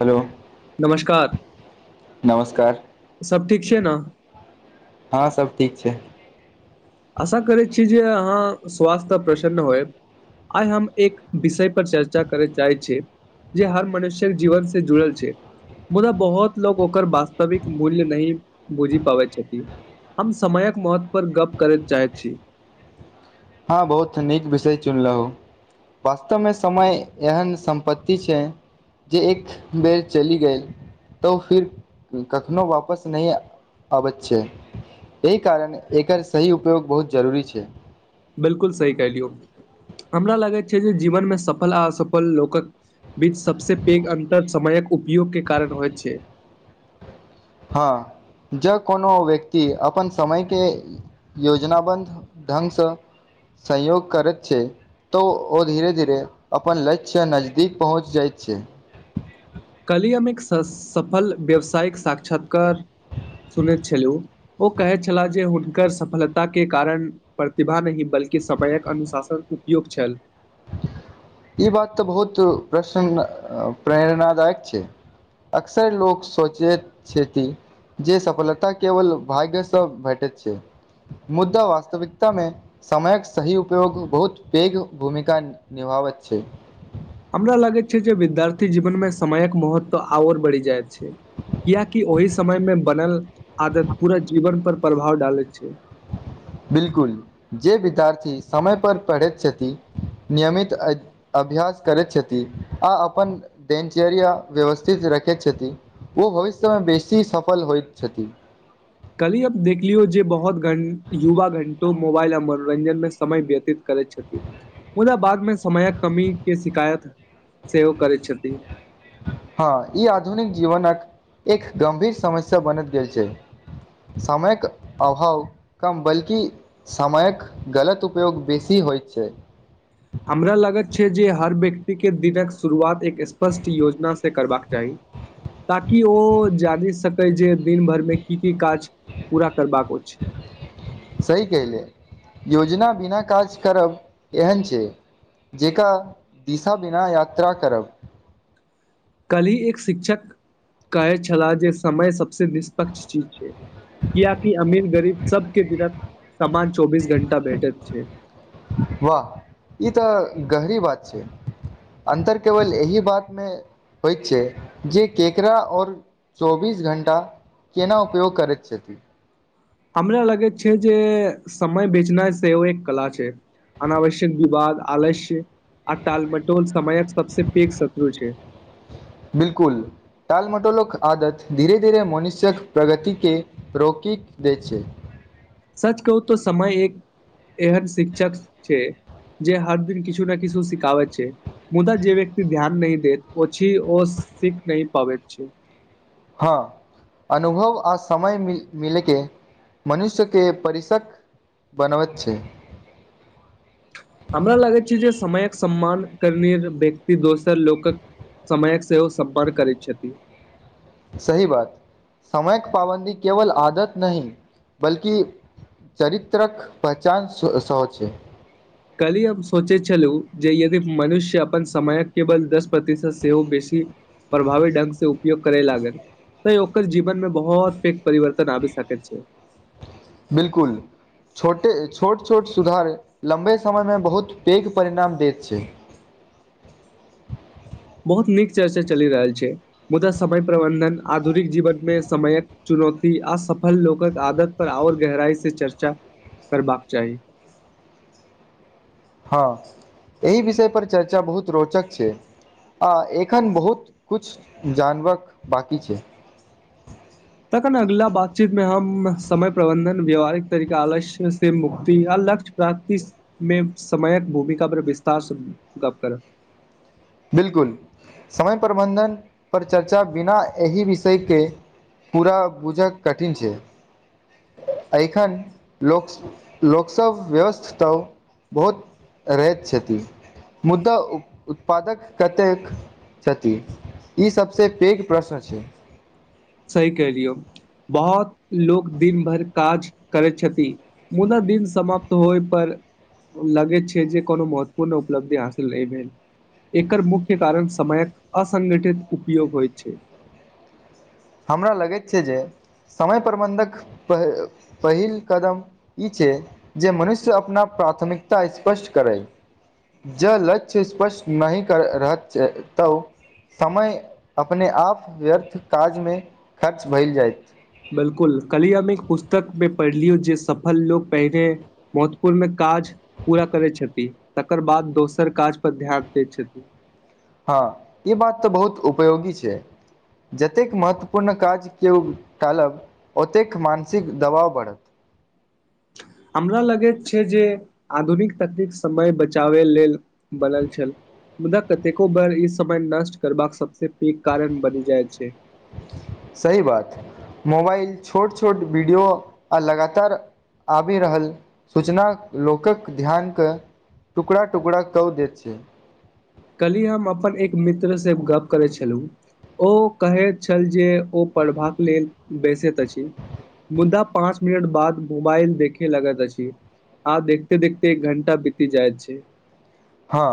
Hello नमस्कार नमस्कार सब ठीक छै न हँ सब ठीक छै आशा करैत छी जे अहाँ स्वास्थ्य प्रसन्न होएब आइ हम एक विषय पर चर्चा करयत जाय छी जे हर मनुष्यक जीवन से जुड़ल छै मुदा बहुत लोग ओकर वास्तविक मूल्य नहि बुझि पाबै छथि हम समयक महत्व पर गप करैत चाहैत छी हँ बहुथ नीक विषय चुनलहु वास्तव मे समय एहन सम्पत्ति छै जे एख बेर चैली गेल तोऽ फिर कखनो वापस नै आबैत छै एहि कारण एकर सही उपयोग बहुत जरूरी छै बिल्कुल सही कलियौ हमरा लागैत छै जे जीवनमे सफल आ असफल लोकक बीच सबसे पेघ अंतर समयक उपयोग के कारण होय छै हँ ज कोनो व्यक्ति अपन समय के योजनाबंध ढंगसँ सयोग करैत छै तऽ ओ धीरे धीरे अपन लक्ष्य नजदीक पहुँच जाइत छै कली हम एक स सफल व्यवसायिक साक्षात्कार सुनैत छलहुँ ओ कहै छलाह जे हुनकर सफलताके कारण प्रतिभा नहि बल्कि सपयक अनुशासन उपयोग्त छल ई बात तऽ बहुत प्रसन्न प्रेरणादायक छै अक्सर लोक सोचेत छैेती जे सफलता केवल भाग्यसँ भेटैत छै मुद्दा वास्तविकतामे समयक सही उपयोग बहुत पेघ भूमिका का निभाबैत छै हमरा लागैत छै जे विद्यार्थी जीवन में समयक महत्व और बढ़ि जायत कियकि ओहि समय मे बनल आदत पूरा जीवन पर प्रभाव डालैत छै बिल्कुल जे विद्यार्थी समय पर पढ़े छथि नियमित ऐत अभ्यास करैत छथि आ अपन दिनचर्या व्यवस्थित रखैत छथिन ओ भविष्यमे बेसी सफल होइत छथि कल्हि हम देखलियो जे बहुत गण युवा घंटो मोबाइल आ मनोरंजन में समय व्यतीत करैत छथि मुदा बादमे समयक कमी के शिकायत सेहो करैत छथिन हँ ई आधुनिक जीवनक एक गम्भीर समस्या बनैत जाय छै समयक अभाव कम बल्कि समयक गलत उपयोग बेसी होइ छै हमरा लागत छै जे हर व्यक्तिके दिनक शुरुआत एक स्पष्ट योजनासँ करबाक चाहि ताकि ओ जानि सकै जे दिन भर मे की की काज पूरा करबाको छै सही कहिले योजना बिना काज करब एहन छै जेका [inaudible] दिशा बिना यात्रा करब कलहि एक शिक्षक कहै छलाह जे समय सभसँ निष्पक्ष चीज छै कियाकि अमीर गरीब सब के विदत समान चौबीस घंटा भैटेत छै वाह ई तऽ गहरी बात छै अन्तर केवल एहि बात मे होइत छै जे केकरा और चौबीस घण्टा केना उपयोग करैत छथिन हमरा लगे छै जे समय बेचना सेहो एक कला छै अनावश्यक विवाद आलस्य आ तालमटोल समयक सबस पैघ शत्रु छै बिल्कुल टाल मटोलक आदत धीरे धीरे मनुष्य यक प्रगति के रोकि दै छै सच कहू त समय एक एहन शिक्षक छै जे हर दिन किछु ने किछु सिखाबैत छै मुदा जे व्यक्ति ध्यान नहि देैत ओ ची ओ सीख नहि पाबैत छै हँ अनुभव आ समय मिल मिलके मनुष्य के परिषक [inaudible] बनाबैत छै हमरा लागैत छै जे समयक सम्मान करने व्यक्ति दोसर लोकक समयक सेहो सम्मान करै छ छति सही बात समयक पाबन्दी केवल आदत नहि बल्कि चरित्रक पहचान स स ओ छै कलहि हम सोचैत छलहुँ जे यदि मनुष्य अपन समयक केवल दस प्रतिशत सेहो बेसी प्रभावी ढंग सँ ऊप उपयोग करे लागल त ओकर जीवन में बहुत पैघ परिवर्तन आबि सकैत छै बिल्कुल छोटे छोट छोट सुधार लम्बे समयमे बहुत पैघ परिणाम दैत छै बहुत नीक चर्चा चलि रहल छै मुदा समय प्रबंधन आधुनिक जीवन मे समय क चुनौती असफल लोकक आदत पर और गहराई से चर्चा करबाक चाहि हँ एहि विषय पर चर्चा बहुत रोचक छै आ एखन बहुत कुछ जानवक बाकी छै तखन अगिला बातचीत मे हम समय प्रबंधन व्याववहारिक तरीका आलस्य से मुक्ति य लक्ष्य प्रातिस मे समयक भूमिका पर विस्तारसँ गप करब बिलकुल समय प्रबन्धन पर चर्चा बिना एहि विषय के पूरा बुझक कठिन छै एखन लोक स लोकसभ व्यस्त त बहुत रहैत छथिन मुद्दा उत्पादक कतेक छथि ई सबसँ पैघ प्रश्न अछि सही कहरियो बहुत लोक दिन भरि काज करैत छथि मुदा दिन समाप्त होय पर लगय छै जे कोनो महत्वपूर्ण उपलब्धि हासिल नहि भेल एकर मुख्य कारण समयक असंगठित उपयोग होय छै हमरा लगैत छै जे समय प्रबन्धक पहि पहिल कदम ई छै जे मनुष्य अपना प्राथमिकता स्पष्ट करै जँ लक्ष्य स्पष्ट नहि कर रहल छै तऽ समय अपने आप व्यर्थ काजमे खर्च भेल जायत बिलकुल कलियामे एक पुस्तक मे पढ़लिय जे सफल लोको पहिने महत्वपूर्णकाज पूरा करै छथि तकर बाद दोसर काज पर ध्यान दैत छथिन हँ ई बात तऽ बहुत उपयोगी छै जतेक महत्वपूर्ण काज केओ टालब ओतेक मानसिक दबाव बढ़त हमरा लगैत छै जे आधुनिक तकनीक समय बचाबै लेल बनल छल मुदा कतेको बेर ई समय नष्ट करबाक सबसे पैघ कारण बनि जाय छै सही बात मोबाइल छोट छोट वीडियो आ लगातार आबि रहल सूचना लोकक ध्यानके टुकड़ा टुकड़ा कौ दैत छैय कली हम अपन एक मित्र से गप करै छलहुँ ओ कहैत छल जे ओ पढ़बाक लेल बैसैत अछि मुद्दा पाँच मिनट बाद मोबाइल देखे लगैत अछि आ देखते देखते एक घंटा बीती जाइत छै हँ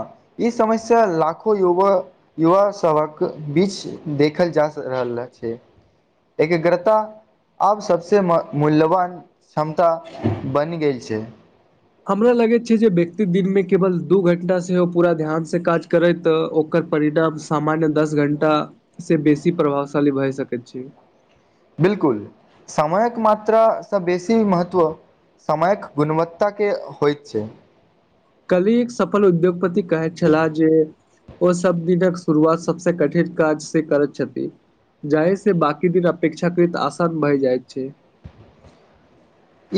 ई समस्या लाखो युवा युवा सभक बीच देखल जा स रहल छै एकग्रता आब सबसँ मूल्यवान क्षमता बनि गेल छै हमरा लगैत छै जे व्यक्ति दिनमे केवल दू घण्टाासँ ओ पूरा ध्यानसँ काज करैत ओ ओकर परिणाम सामान्य दस घंटा से बेसी प्रभावशाली भए सकैत छै बिलकुल समयक मात्रा स बेसी महत्व समयक गुणवत्ताके होइत छै कली एक सफल उद्योगपति कहैत छलाह जे ओ सब दिनक शुरुआत सबस कठिन काज से करैत छथिन जाइ से बाकी अपेक्षाकृत आसान भए जाइ छै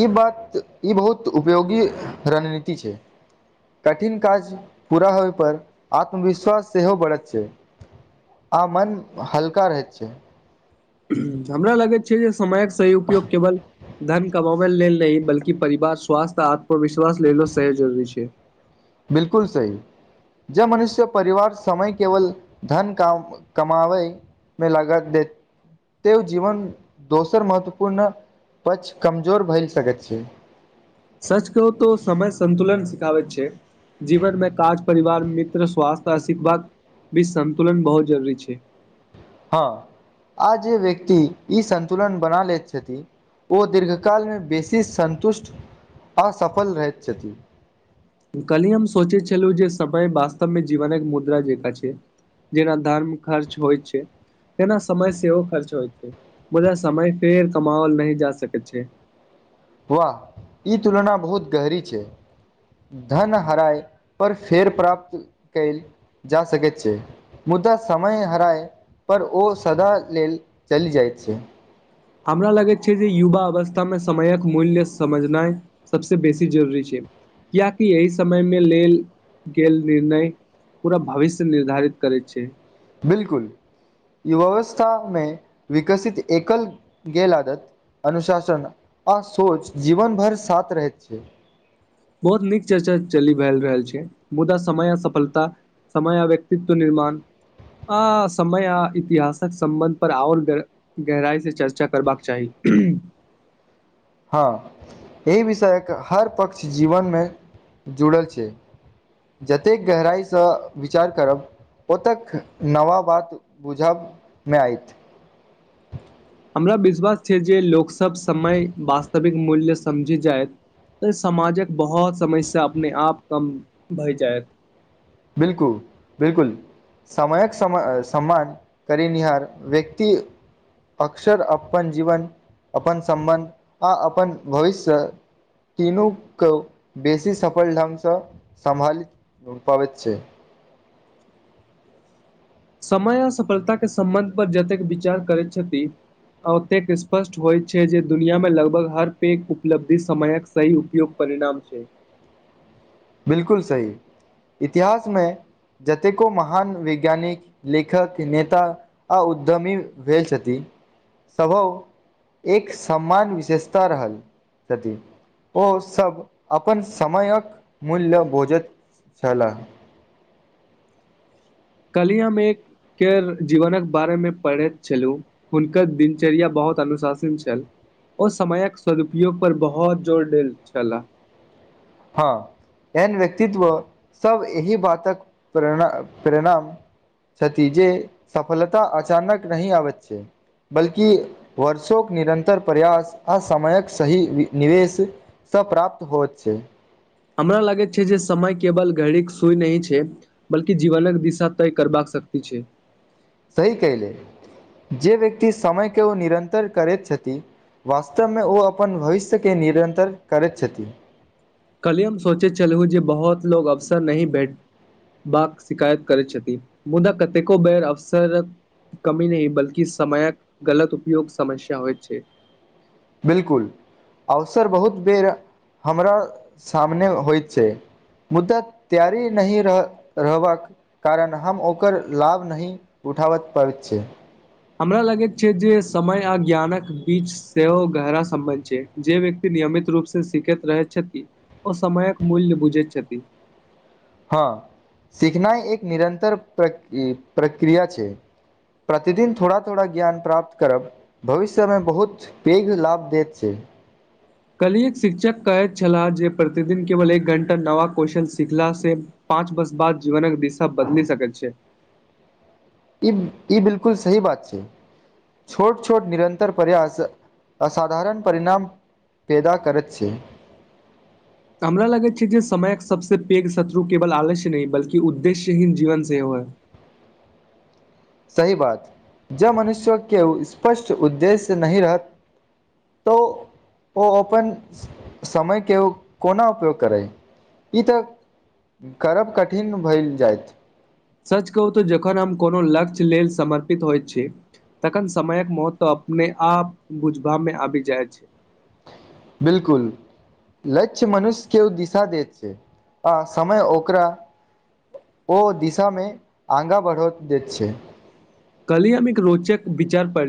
ई बात ई बहुत उपयोगी रणनीति छै कठिन काज पूरा होइ पर आत्मविश्वास सेहो बढ़त छै आ मन हल्का रहैत छै हमरा लगैत छै जे समयक सही उपयोग केवल धन कब ल लेल न बल्कि परिवार स्वासथ्य आ आत्मविश्वास ल लेलो सहज जरूरी छै बिलकुल सही ज मनुष्य परिवार समय केवल धन क कमावै मे लगा देत एतऽ ओ जीवन दोसर महत्वपूर्ण पक्ष कमजोर भइल सकैत छी सच कहु तो समय संन्तुलन सिखाबैत छै जीवन मे काज परिवार मित्र स्वासथ्य आ शिखवाक भी सन्तुलन बहुत जरूरी छै हँ आ जे व्यक्ति ई संन्तुलन बना लैत छथि ओ दीर्घकालमे बेसी सन्तुष्ट आ सफल रहैत छथि। कल्हि हम सोचैत छलहुँ जे सभय वास्तवमे जीवनक मुद्रा जेकाँ छै जेना धर्म खर्च होइ छै तेना समय सेवो खर्च होइत छै मुदा समय फेर कमाओल नहि जा सकैत छै वाह ई तुलना बहुत गहरी छै धन हराय पर फेर प्राप्त कयल जा सकैत छै मुदा समय हराय पर ओ सदा लेल चलि जाइत छै हमरा लगैत छै जे युवा अवस्थामे समयक मूल्य समझनाइ सबसे बेसी जरूरी छै कियाकि एहि समय मे लेल गेल निर्णय पूरा भविष्य निर्धारित करैत छै बिलकुल युवावस्थामे विकसित एकल गेल आदत अनुशासन आ सोच जीवन भर साथ रहैत छै बहुत नीक चर्चा चली भेल रहल छै मुदा समय आ सफलता समय आ व्यक्तित्व निर्माण आ समय आ इतिहासक सम्बन्ध पर आओल बेर गहराइ से चर्चा करबाक चाही हँ एहि विषयक हर पक्ष जीवन मे जुड़ल छै जतेक गहराइसँ विचार करब ओतेक नवा बात बुझब मे आइत हमरा विश्वास छै जे लोकसभ समय वास्तविक मूल्य समझि जायत तऽ समाजक बहुत समस्या अपने आप कम भए जायत बिल्कुल बिल्कुल समयक सम सम्मान करनिहार व्यक्ति अक्सर अपन जीवन अपन सम्बन्ध आ अपन भविष्य तीनोको बेसी सफल ढंगसँ सम्हालित पाबैत छै समय आ सफलताके सम्बन्ध पर जतेक विचार करैत छथि ओतेक स्पष्ट होइत छै जे दुनियाँमे लगभग हर पैघ उपलब्धि समयक सही उपयोग परिणाम छै। बिल्कुल सही इतिहासमे जतेको महान वैज्ञानिक लेखक नेता आ उद्यमी भेल छथि सभव एक सम्मान विशेषता रहल छथि ओसभ अपन समयक मूल्य बुझैत छलाह कल्हि हम एक केर जीवनक बारेमे पढ़ैत छलु हुनकर दिनचर्या बहुत अनुशासिन छल ओ समयक सदुपयोग पर बहुत जोर देल छलाह हँ एहेन व्यक्तित्व सब एहि बातक प्रेरणा परिणाम छथि जेे सफलता अचानक नहि आबैत छै बल्कि वर्षोंक निरन्तर प्रयास आ समयक सही निवेश सँ प्राप्त होयत छै हमरा लागैत छै जे समय केवल घड़ी क सुइ नहि छै बल्कि जीवनक दिशा तय करबाक शक्ति छै सही कहलियै जे व्यक्ति समय के ओ निरन्तर करैत छथि वास्तवमे ओ अपन भविष्यके निरन्तर करैत छथि कल्हि हम सोचैत छलूं जे बहुत लोग अवसर नही भेट बाक शिकायत करैत छथि मुदा कतेको बेर अवसर कमी नहि बल्कि समयक गलत उपयोग समस्या होइत छै बिल्कुल अवसर बहुत बेर हमरा सामने होइत छै मुदा तैयारी नहि रह रहबाक कारण हम ओकर लाभ नहि उठाबत पाबैत छियै हमरा लागैत छै जे समय आ ज्ञानक बीच सेहो गहरा सम्बन्ध छै जे व्यक्ति नियमित रूप से सीखैत रहैत छथि ओ समयक मूल्य बुझैत छथि हँ सीखनाइ एक निरन्तर प्र इ प्रक्रिया छै प्रतिदिन थोड़ा थोड़ा ज्ञान प्राप्त करब भविष्य मे बहुत पैघ लाभ देैत छै कल्हि एक शिक्षक कहैत छलाह जे प्रतिदिन केवल एक घण्टा नवा क्वेश्चन सिखलासँ पाँच वर्ष बाद जीवनक दिशा बदली सकैत छै ई ई बिलकुल सही बात छै छोट छोट निरन्तर प्रयास आ साधारण परिणाम पेदा करत छै हमरा लागैत छै जे समयक सबसँ पैघ शत्रु केवल आलस्य नहि बल्कि उद्देश्य हीन जीवन सेहो है सही बात जब मनुष्य केओ स्पष्ट उद्देश्य नहि रहत त ओ ओ अपन समयके ओ कोना उपयोग करै ई तऽ करब कठिन भैल जायत सच कहूं तऽ जखन हम कोनो लक्ष्य लेल समर्पित होइत छी तखन समयक महत्व अपने आप बुझबा मे आबि जाय छै बिल कुल लक्ष्य मनुष्य के ओ दिशा देैत छै आ समय ओकरा ओ दिशा मे आगाँ बढ़ दैत छै कली हमी एक रोचक विचार पड़लो